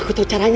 aku tahu caranya